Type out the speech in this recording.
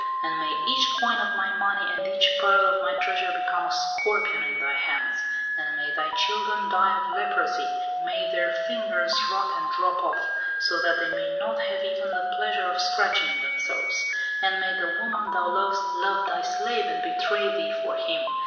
And may each coin of my money and each pearl of my treasure become a scorpion in thy hands! And may thy children die of leprosy, may their fingers rot and drop off, so that they may not have even the pleasure of scratching themselves! And may the woman thou lovest love thy slave and betray thee for him.